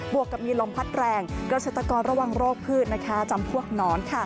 วกกับมีลมพัดแรงเกษตรกรระวังโรคพืชจำพวกหนอน